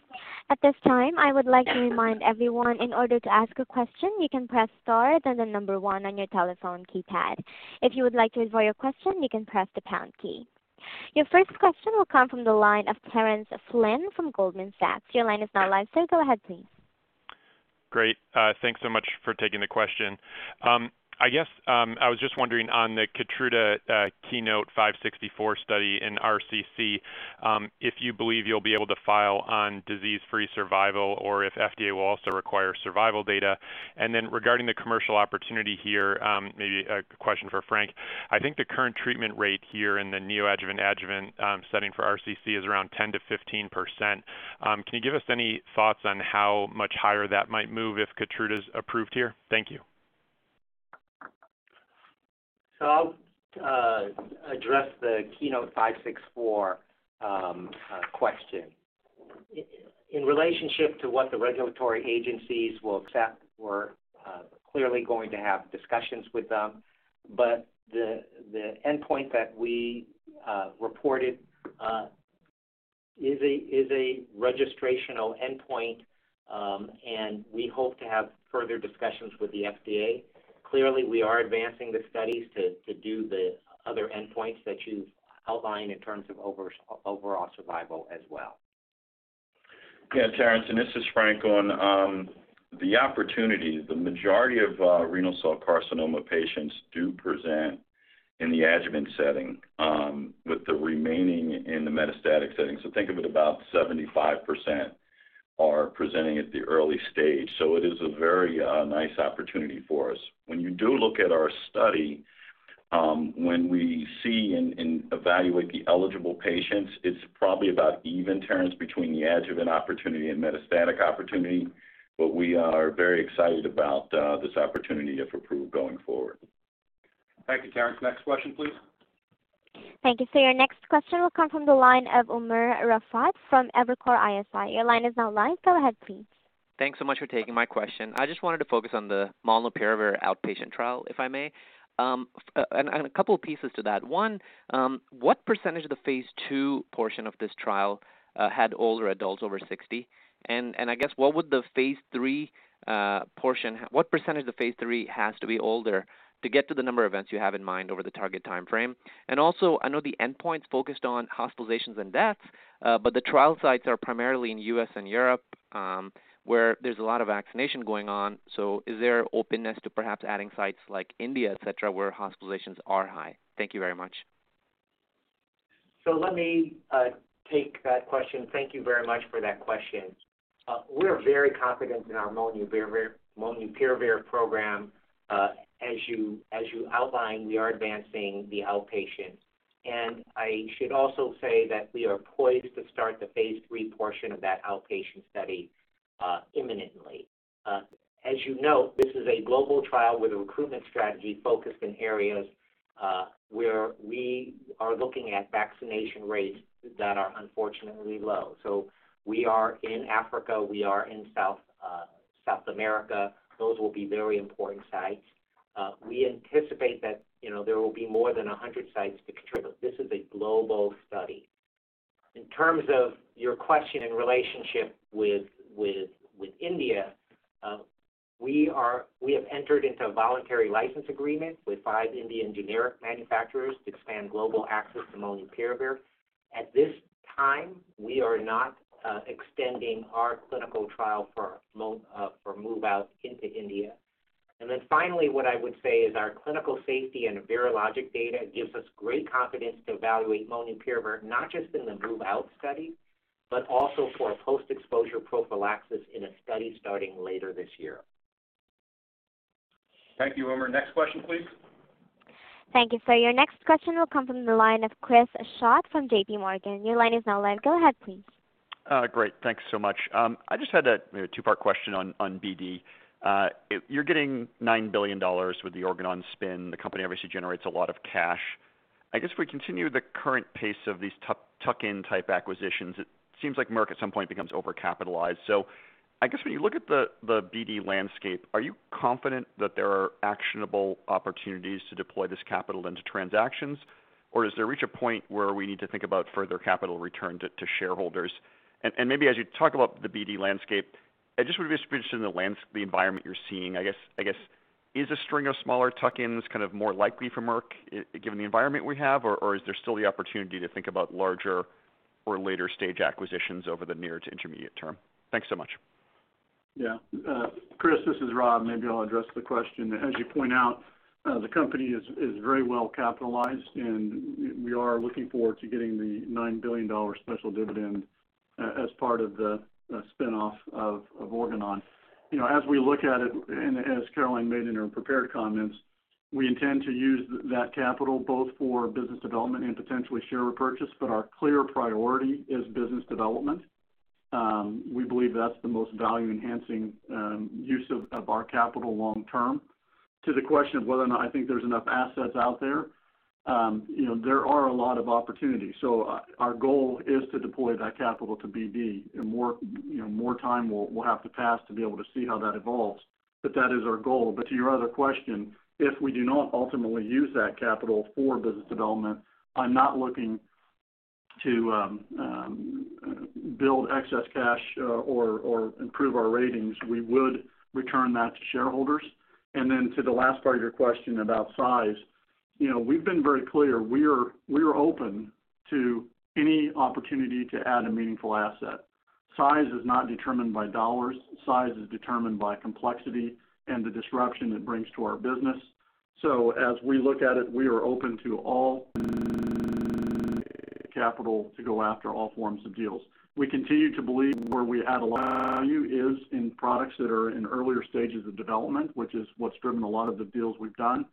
At this time, I would like to remind everyone, in order to ask a question, you can press star, then the number one on your telephone keypad. If you would like to withdraw your question, you can press the pound key. Your first question will come from the line of Terence Flynn from Goldman Sachs. Your line is now live, sir. Go ahead, please. Great. Thanks so much for taking the question. I guess, I was just wondering on the KEYNOTE-564 study in RCC, if you believe you'll be able to file on disease-free survival or if FDA will also require survival data. Then regarding the commercial opportunity here, maybe a question for Frank. I think the current treatment rate here in the neoadjuvant adjuvant setting for RCC is around 10%-15%. Can you give us any thoughts on how much higher that might move if KEYTRUDA is approved here? Thank you. I'll address the KEYNOTE-564 question. In relationship to what the regulatory agencies will accept, we're clearly going to have discussions with them. The endpoint that we reported is a registrational endpoint, and we hope to have further discussions with the FDA. Clearly, we are advancing the studies to do the other endpoints that you've outlined in terms of overall survival as well. Yeah, Terence, and this is Frank. On the opportunity, the majority of renal cell carcinoma patients do present in the adjuvant setting with the remaining in the metastatic setting. Think of it about 75% are presenting at the early stage. It is a very nice opportunity for us. When you do look at our study, when we see and evaluate the eligible patients, it's probably about even, Terence, between the adjuvant opportunity and metastatic opportunity. We are very excited about this opportunity if approved going forward. Thank you, Terence. Next question, please. Thank you, sir. Your next question will come from the line of Umer Raffat from Evercore ISI. Your line is now live. Go ahead, please. Thanks so much for taking my question. I just wanted to focus on the molnupiravir outpatient trial, if I may. A couple pieces to that. One, what percentage of the phase II portion of this trial had older adults over 60 years? I guess, what percentage of phase III has to be older to get to the number of events you have in mind over the target timeframe? I know the endpoint's focused on hospitalizations and deaths, but the trial sites are primarily in U.S. and Europe, where there's a lot of vaccination going on. Is there openness to perhaps adding sites like India, et cetera, where hospitalizations are high? Thank you very much. Let me take that question. Thank you very much for that question. We're very confident in our molnupiravir program. As you outlined, we are advancing the outpatient. I should also say that we are poised to start the phase III portion of that outpatient study imminently. As you know, this is a global trial with a recruitment strategy focused in areas where we are looking at vaccination rates that are unfortunately low. We are in Africa, we are in South America. Those will be very important sites. We anticipate that there will be more than 100 sites to contribute. This is a global study. In terms of your question in relationship with India, we have entered into a voluntary license agreement with five Indian generic manufacturers to expand global access to molnupiravir. At this time, we are not extending our clinical trial for MOVe-OUT into India. Finally, what I would say is our clinical safety and virologic data gives us great confidence to evaluate molnupiravir, not just in the MOVe-OUT study, but also for post-exposure prophylaxis in a study starting later this year. Thank you, Umer. Next question, please. Thank you, sir. Your next question will come from the line of Chris Schott from JPMorgan. Your line is now live. Go ahead, please. Great. Thanks so much. I just had a two-part question on BD. You're getting $9 billion with the Organon spin. The company obviously generates a lot of cash. I guess, if we continue the current pace of these tuck-in type acquisitions, it seems like Merck at some point becomes overcapitalized. I guess when you look at the BD landscape, are you confident that there are actionable opportunities to deploy this capital into transactions? Or does it reach a point where we need to think about further capital return to shareholders? Maybe as you talk about the BD landscape, I just would be interested in the environment you're seeing, I guess is a string of smaller tuck-ins kind of more likely for Merck given the environment we have, or is there still the opportunity to think about larger or later-stage acquisitions over the near to intermediate term? Thanks so much. Yeah. Chris, this is Rob. Maybe I'll address the question. As you point out, the company is very well capitalized, and we are looking forward to getting the $9 billion special dividend as part of the spinoff of Organon. As we look at it, and as Caroline made in her prepared comments, we intend to use that capital both for business development and potentially share repurchase, but our clear priority is business development. We believe that's the most value-enhancing use of our capital long term. To the question of whether or not I think there's enough assets out there are a lot of opportunities. Our goal is to deploy that capital to BD. More time will have to pass to be able to see how that evolves, but that is our goal. To your other question, if we do not ultimately use that capital for business development, I'm not looking to build excess cash or improve our ratings. We would return that to shareholders. To the last part of your question about size, we've been very clear. We're open to any opportunity to add a meaningful asset. Size is not determined by dollars. Size is determined by complexity and the disruption it brings to our business. As we look at it, we are open to all capital to go after all forms of deals. We continue to believe where we add a lot of value is in products that are in earlier stages of development, which is what's driven a lot of the deals we've done.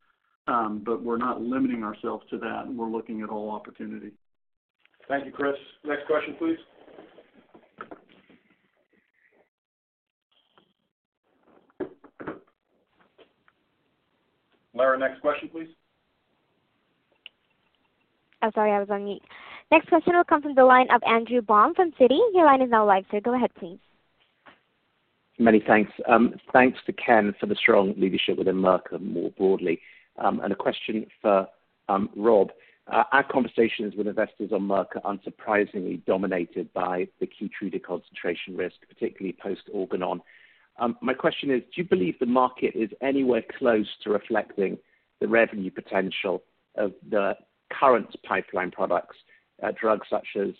We're not limiting ourselves to that, and we're looking at all opportunity. Thank you, Chris. Next question, please. Lara, next question, please. Oh, sorry, I was on mute. Next question will come from the line of Andrew Baum from Citi. Your line is now live, sir. Go ahead, please. Many thanks. Thanks to Ken for the strong leadership within Merck more broadly. A question for Rob. Our conversations with investors on Merck are unsurprisingly dominated by the KEYTRUDA concentration risk, particularly post Organon. My question is, do you believe the market is anywhere close to reflecting the revenue potential of the current pipeline products, drugs such as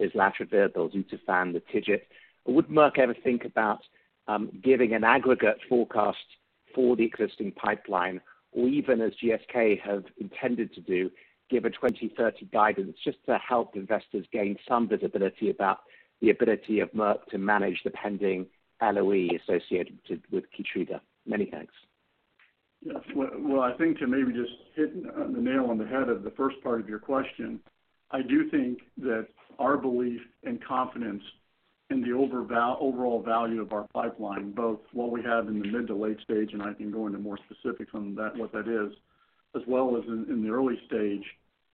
islatravir, belzutifan, TIGIT? Would Merck ever think about giving an aggregate forecast for the existing pipeline, or even as GSK have intended to do, give a 2030 guidance just to help investors gain some visibility about the ability of Merck to manage the pending LOE associated with KEYTRUDA? Many thanks. Yes. Well, I think to maybe just hit the nail on the head of the first part of your question, I do think that our belief and confidence in the overall value of our pipeline, both what we have in the mid to late stage, and I can go into more specifics on what that is, as well as in the early stage,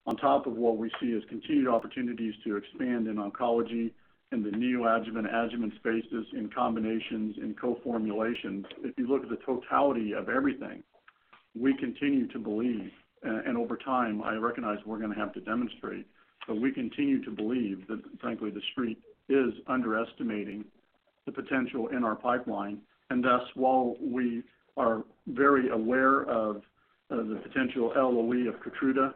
on top of what we see as continued opportunities to expand in oncology in the neoadjuvant, adjuvant spaces, in combinations, in co-formulations. If you look at the totality of everything, we continue to believe, and over time, I recognize we're going to have to demonstrate, but we continue to believe that frankly, the Street is underestimating the potential in our pipeline. Thus, while we are very aware of the potential LOE of KEYTRUDA,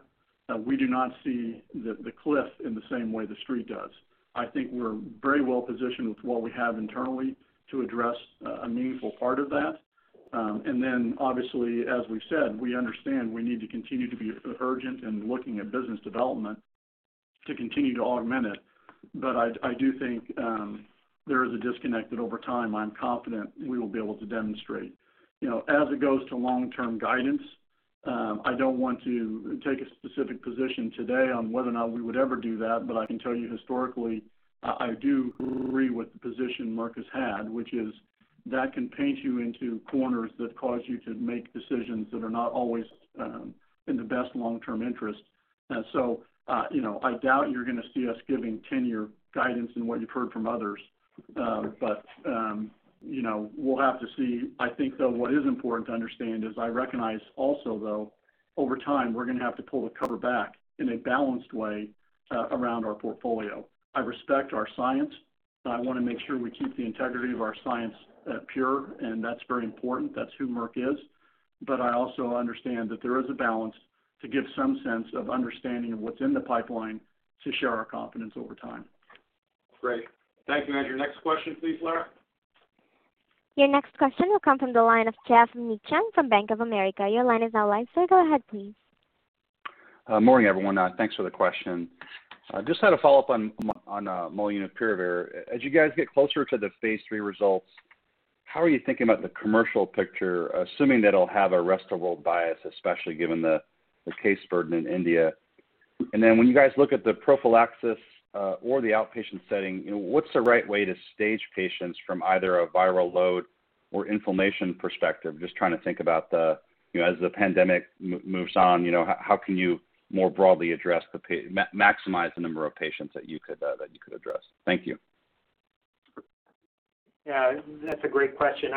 we do not see the cliff in the same way the Street does. I think we're very well positioned with what we have internally to address a meaningful part of that. Obviously, as we've said, we understand we need to continue to be urgent in looking at business development to continue to augment it. I do think there is a disconnect that over time, I'm confident we will be able to demonstrate. As it goes to long-term guidance, I don't want to take a specific position today on whether or not we would ever do that. I can tell you historically, I do agree with the position Merck has had, which is that can paint you into corners that cause you to make decisions that are not always in the best long-term interest. I doubt you're going to see us giving tenure guidance in what you've heard from others. We'll have to see. I think, though, what is important to understand is I recognize also, though, over time, we're going to have to pull the cover back in a balanced way around our portfolio. I respect our science, and I want to make sure we keep the integrity of our science pure, and that's very important. That's who Merck is. I also understand that there is a balance to give some sense of understanding of what's in the pipeline to share our confidence over time. Great. Thank you. Next question, please, Lara. Your next question will come from the line of Geoff Meacham from Bank of America. Your line is now live, sir. Go ahead, please. Morning, everyone. Thanks for the question. Just had a follow-up on molnupiravir. As you guys get closer to the phase III results, how are you thinking about the commercial picture, assuming that it'll have a rest-of-world bias, especially given the case burden in India? When you guys look at the prophylaxis or the outpatient setting, what's the right way to stage patients from either a viral load or inflammation perspective? Just trying to think about as the pandemic moves on, how can you more broadly maximize the number of patients that you could address? Thank you. Yeah, that's a great question.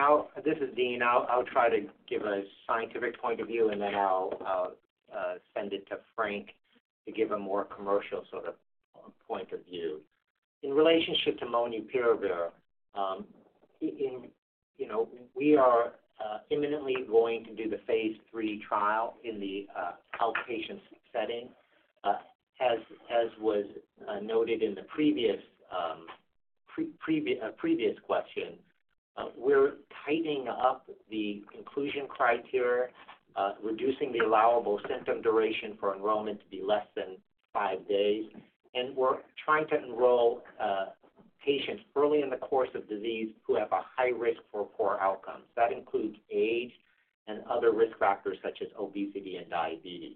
This is Dean. I'll try to give a scientific point of view, and then I'll send it to Frank to give a more commercial sort of point of view. In relationship to molnupiravir, We are imminently going to do the phase III trial in the outpatient setting. As was noted in the previous question, we're tightening up the inclusion criteria, reducing the allowable symptom duration for enrollment to be less than five days, and we're trying to enroll patients early in the course of disease who have a high risk for poor outcomes. That includes age and other risk factors such as obesity and diabetes.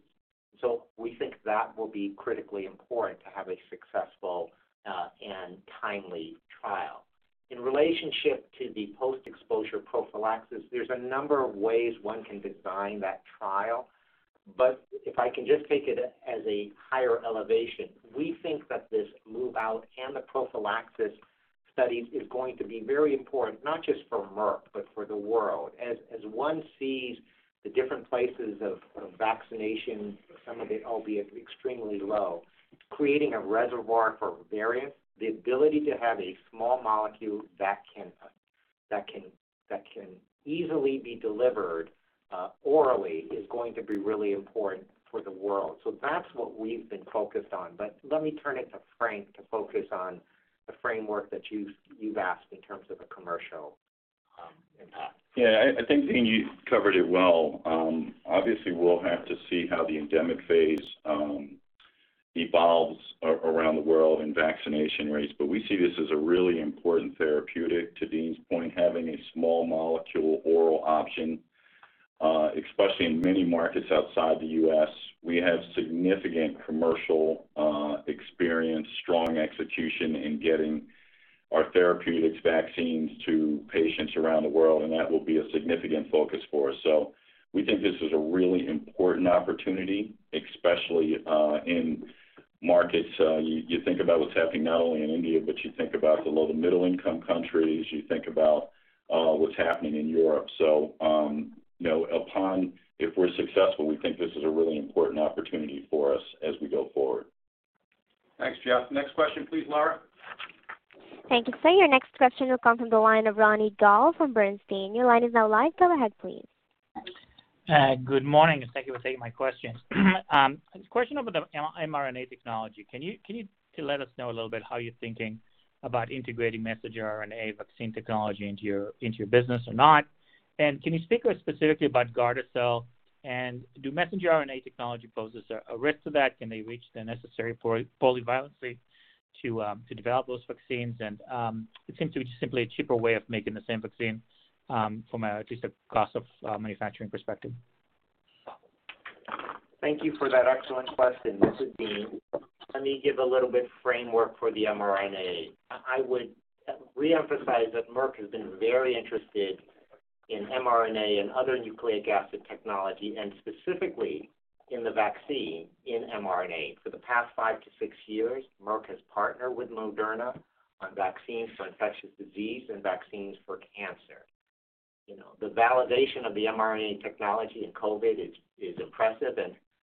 We think that will be critically important to have a successful and timely trial. In relationship to the post-exposure prophylaxis, there's a number of ways one can design that trial. If I can just take it as a higher elevation, we think that this MOVe-OUT and the prophylaxis studies is going to be very important, not just for Merck, but for the world. As one sees the different places of vaccination, some of it albeit extremely low, creating a reservoir for variants, the ability to have a small molecule that can easily be delivered orally is going to be really important for the world. That's what we've been focused on. Let me turn it to Frank to focus on the framework that you've asked in terms of a commercial impact. Yeah, I think Dean, you covered it well. Obviously, we'll have to see how the endemic phase evolves around the world and vaccination rates, but we see this as a really important therapeutic, to Dean's point, having a small molecule oral option, especially in many markets outside the U.S. We have significant commercial experience, strong execution in getting our therapeutics vaccines to patients around the world, and that will be a significant focus for us. We think this is a really important opportunity, especially in markets. You think about what's happening not only in India, but you think about the low to middle-income countries, you think about what's happening in Europe. If we're successful, we think this is a really important opportunity for us as we go forward. Thanks, Geoff. Next question, please, Lara. Thank you, sir. Your next question will come from the line of Ronny Gal from Bernstein. Your line is now live. Go ahead, please. Good morning. Thank you for taking my questions. Question about the mRNA technology. Can you let us know a little bit how you're thinking about integrating messenger RNA vaccine technology into your business or not? Can you speak specifically about GARDASIL, and do messenger RNA technology poses a risk to that? Can they reach the necessary polyvalency to develop those vaccines? It seems to be just simply a cheaper way of making the same vaccine, from at least a cost of manufacturing perspective. Thank you for that excellent question. This is Dean. Let me give a little bit framework for the mRNA. I would reemphasize that Merck has been very interested in mRNA and other nucleic acid technology, and specifically in the vaccine in mRNA. For the past five to six years, Merck has partnered with Moderna on vaccines for infectious disease and vaccines for cancer. The validation of the mRNA technology in COVID is impressive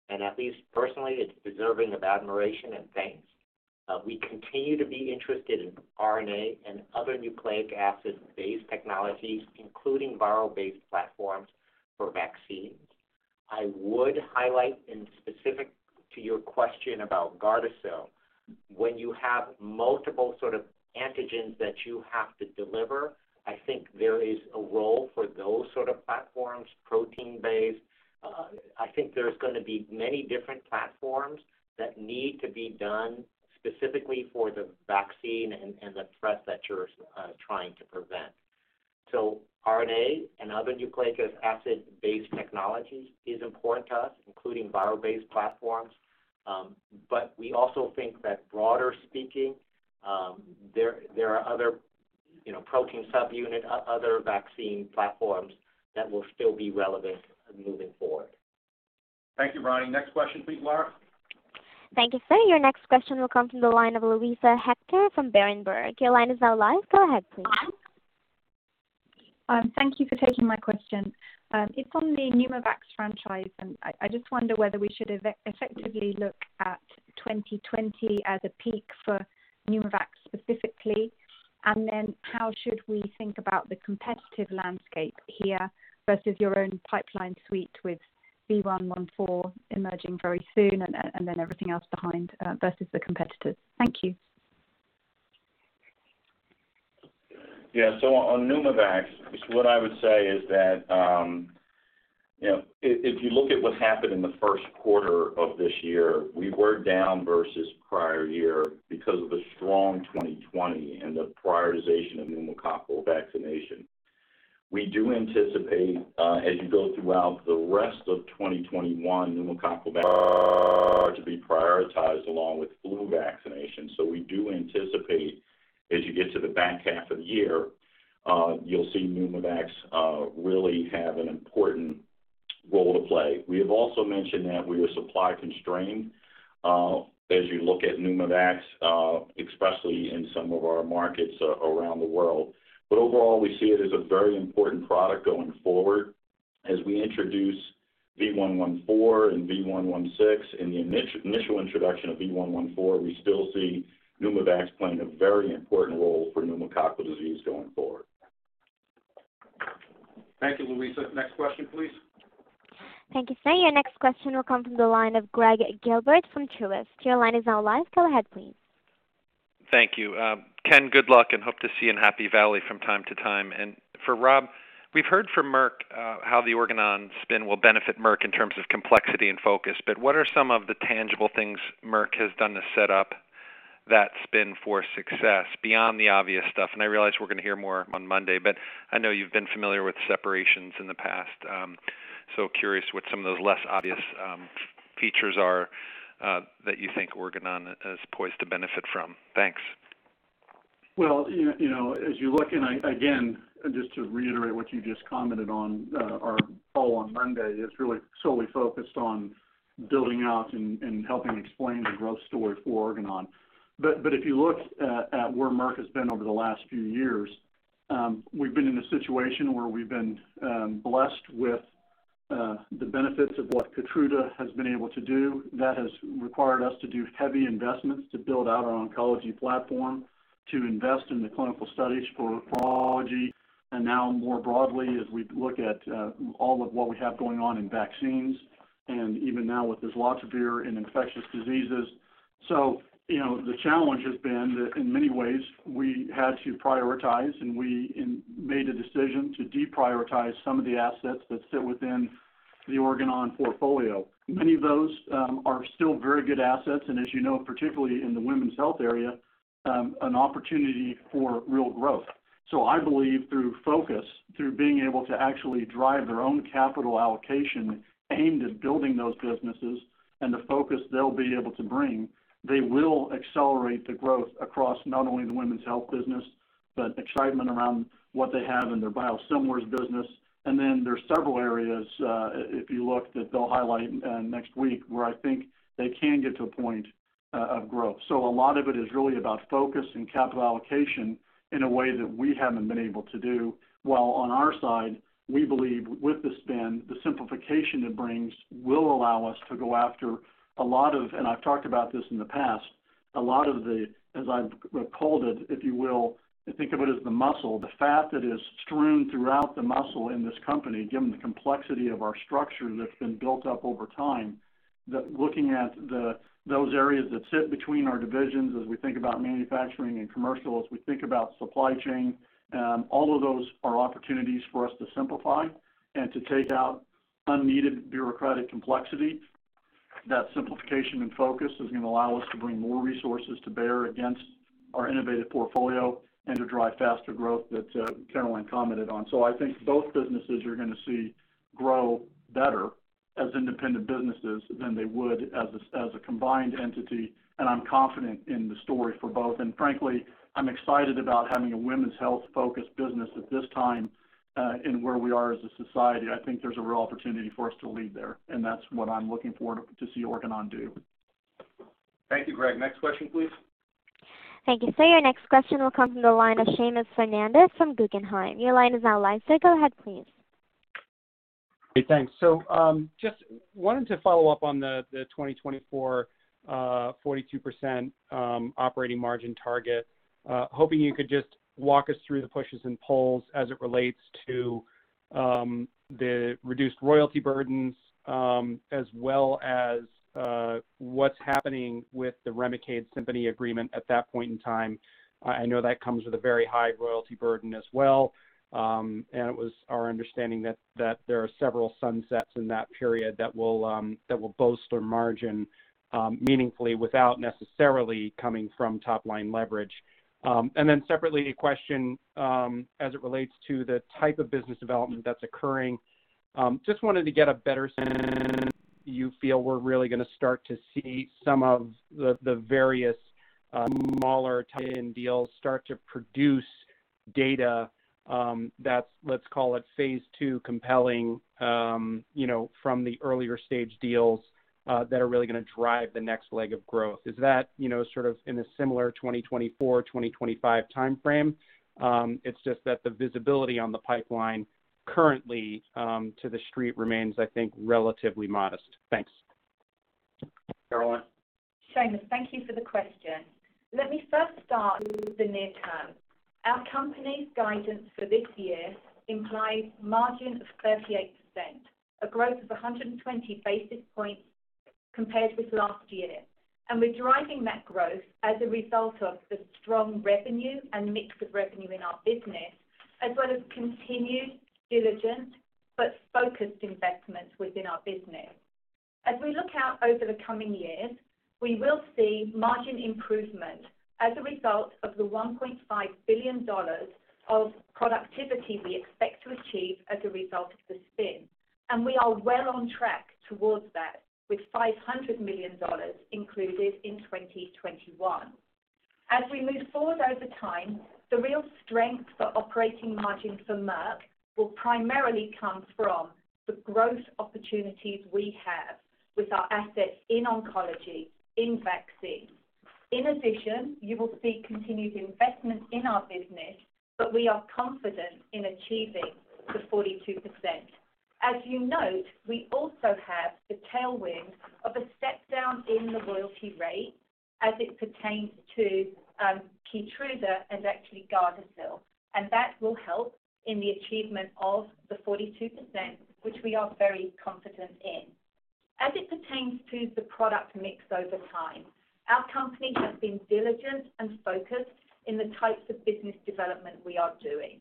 and at least personally, it's deserving of admiration and thanks. We continue to be interested in RNA and other nucleic acid-based technologies, including viral-based platforms for vaccines. I would highlight in specific to your question about GARDASIL, when you have multiple sort of antigens that you have to deliver, I think there is a role for those sort of platforms, protein-based. I think there's going to be many different platforms that need to be done specifically for the vaccine and the threat that you're trying to prevent. RNA and other nucleic acid-based technologies is important to us, including viral-based platforms. We also think that broader speaking, there are other protein subunit, other vaccine platforms that will still be relevant moving forward. Thank you, Ronny. Next question, please, Lara. Thank you, sir. Your next question will come from the line of Luisa Hector from Berenberg. Your line is now live. Go ahead, please. Thank you for taking my question. It's on the PNEUMOVAX franchise, and I just wonder whether we should effectively look at 2020 as a peak for PNEUMOVAX specifically, and then how should we think about the competitive landscape here versus your own pipeline suite with V114 emerging very soon and then everything else behind versus the competitors? Thank you. On PNEUMOVAX, what I would say is that if you look at what happened in the first quarter of this year, we were down versus prior year because of the strong 2020 and the prioritization of pneumococcal vaccination. We do anticipate, as you go throughout the rest of 2021, pneumococcal to be prioritized along with flu vaccination. We do anticipate, as you get to the back half of the year, you'll see PNEUMOVAX really have an important role to play. We have also mentioned that we are supply constrained as you look at PNEUMOVAX, especially in some of our markets around the world. Overall, we see it as a very important product going forward. As we introduce V114 and V116 and the initial introduction of V114, we still see PNEUMOVAX playing a very important role for pneumococcal disease going forward. Thank you, Luisa. Next question, please. Thank you, sir. Your next question will come from the line of Gregg Gilbert from Truist. Your line is now live. Go ahead, please. Thank you. Ken, good luck, and hope to see you in Happy Valley from time to time. For Rob, we've heard from Merck how the Organon spin will benefit Merck in terms of complexity and focus, but what are some of the tangible things Merck has done to set up that spin for success beyond the obvious stuff? I realize we're going to hear more on Monday, but I know you've been familiar with separations in the past. Curious what some of those less obvious features are that you think Organon is poised to benefit from. Thanks. As you look and again, just to reiterate what you just commented on our call on Monday, is really solely focused on building out and helping explain the growth story for Organon. If you look at where Merck has been over the last few years, we've been in a situation where we've been blessed with the benefits of what KEYTRUDA has been able to do, that has required us to do heavy investments to build out our oncology platform, to invest in the clinical studies for oncology, and now more broadly, as we look at all of what we have going on in vaccines and even now with islatravir in infectious diseases. The challenge has been that in many ways we had to prioritize, and we made a decision to deprioritize some of the assets that sit within the Organon portfolio. Many of those are still very good assets, and as you know, particularly in the women's health area, an opportunity for real growth. I believe through focus, through being able to actually drive their own capital allocation aimed at building those businesses and the focus they'll be able to bring, they will accelerate the growth across not only the women's health business, but excitement around what they have in their biosimilars business. There's several areas, if you look that they'll highlight next week, where I think they can get to a point of growth. A lot of it is really about focus and capital allocation in a way that we haven't been able to do, while on our side, we believe with the spin, the simplification it brings will allow us to go after a lot of, and I've talked about this in the past, a lot of the, as I've recalled it, if you will, think of it as the muscle, the fat that is strewn throughout the muscle in this company, given the complexity of our structure that's been built up over time, that looking at those areas that sit between our divisions as we think about manufacturing and commercial, as we think about supply chain, all of those are opportunities for us to simplify and to take out unneeded bureaucratic complexity. That simplification and focus is going to allow us to bring more resources to bear against our innovative portfolio and to drive faster growth that Caroline commented on. I think both businesses you're going to see grow better as independent businesses than they would as a combined entity, and I'm confident in the story for both. Frankly, I'm excited about having a women's health-focused business at this time in where we are as a society. I think there's a real opportunity for us to lead there, and that's what I'm looking forward to see Organon do. Thank you, Gregg. Next question, please. Thank you, sir. Your next question will come from the line of Seamus Fernandez from Guggenheim. Your line is now live, sir. Go ahead, please. Hey, thanks. Just wanted to follow up on the 2024 42% operating margin target. Hoping you could just walk us through the pushes and pulls as it relates to the reduced royalty burdens, as well as what's happening with the REMICADE SIMPONI agreement at that point in time. I know that comes with a very high royalty burden as well, and it was our understanding that there are several sunsets in that period that will bolster margin meaningfully without necessarily coming from top-line leverage. Separately, a question as it relates to the type of business development that's occurring. Just wanted to get a better sense, you feel we're really going to start to see some of the various smaller tie-in deals start to produce data that's, let's call it phase II compelling from the earlier stage deals that are really going to drive the next leg of growth. Is that sort of in a similar 2024, 2025 time frame? It's just that the visibility on the pipeline currently to the Street remains, I think, relatively modest. Thanks. Caroline? Seamus, thank you for the question. Let me first start with the near term. Our company's guidance for this year implies margin of 38%, a growth of 120 basis points compared with last year. We're driving that growth as a result of the strong revenue and mix of revenue in our business, as well as continued diligent but focused investments within our business. As we look out over the coming years, we will see margin improvement as a result of the $1.5 billion of productivity we expect to achieve as a result of the spin. We are well on track towards that, with $500 million included in 2021. As we move forward over time, the real strength for operating margin for Merck will primarily come from the growth opportunities we have with our assets in oncology, in vaccines. In addition, you will see continued investment in our business, but we are confident in achieving the 42%. As you note, we also have the tailwind of a step-down in the royalty rate as it pertains to KEYTRUDA and actually GARDASIL, and that will help in the achievement of the 42%, which we are very confident in. As it pertains to the product mix over time, our company has been diligent and focused in the types of business development we are doing.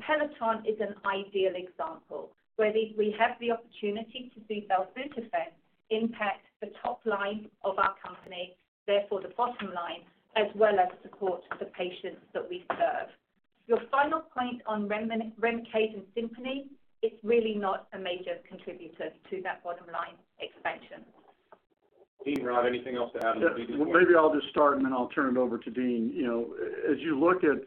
Peloton is an ideal example, where we have the opportunity to see belzutifan impact the top line of our company, therefore the bottom line, as well as support the patients that we serve. Your final point on REMICADE and SIMPONI, it's really not a major contributor to that bottom-line expansion. Dean, Rob, anything else to add on the business mix? Maybe I'll just start, and then I'll turn it over to Dean. As you look at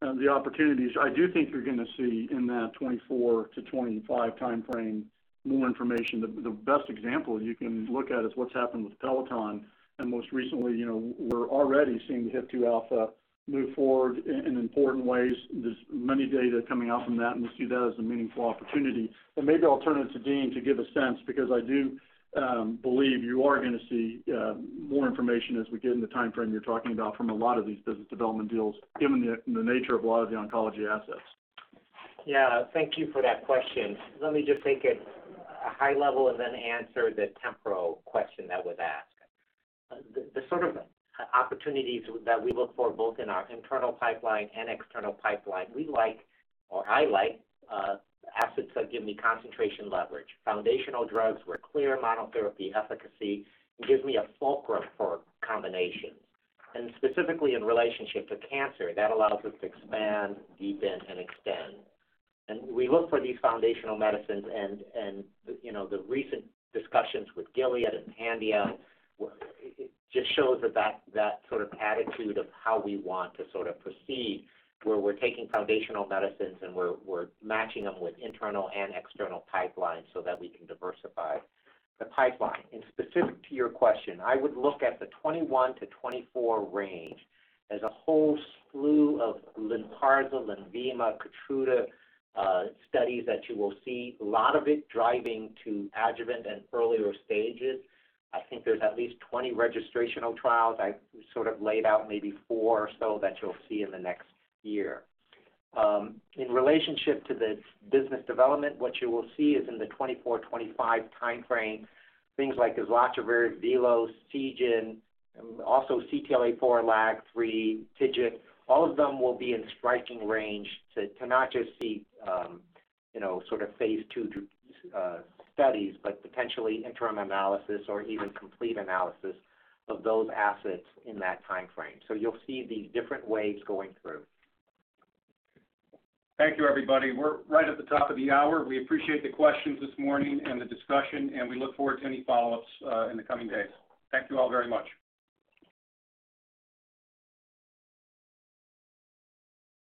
the opportunities, I do think you're going to see in that 2024-2025 timeframe, more information. The best example you can look at is what's happened with Peloton, and most recently, we're already seeing the HIF-2α move forward in important ways. There's many data coming out from that, and we see that as a meaningful opportunity. Maybe I'll turn it to Dean to give a sense, because I do believe you are going to see more information as we get in the timeframe you're talking about from a lot of these business development deals, given the nature of a lot of the oncology assets. Yeah. Thank you for that question. Let me just take it high level and then answer the temporal question that was asked. The sort of opportunities that we look for, both in our internal pipeline and external pipeline, we like, or I like, assets that give me concentration leverage. Foundational drugs where clear monotherapy efficacy gives me a fulcrum for combinations. Specifically in relationship to cancer, that allows us to expand, deepen, and extend. We look for these foundational medicines and the recent discussions with Gilead and Pandion, it just shows that sort of attitude of how we want to proceed, where we're taking foundational medicines and we're matching them with internal and external pipelines so that we can diversify the pipeline. Specific to your question, I would look at the 2021-2024 range as a whole slew of LYNPARZA, LENVIMA, KEYTRUDA studies that you will see, a lot of it driving to adjuvant and earlier stages. I think there's at least 20 registrational trials. I sort of laid out maybe four or so that you'll see in the next year. In relationship to the business development, what you will see is in the 2024, 2025 timeframe, things like [uzvappa], VelosBio, Seagen, also CTLA-4, LAG-3, TIGIT, all of them will be in striking range to not just see phase II studies, but potentially interim analysis or even complete analysis of those assets in that timeframe. You'll see these different waves going through. Thank you, everybody. We're right at the top of the hour. We appreciate the questions this morning and the discussion, and we look forward to any follow-ups in the coming days. Thank you all very much.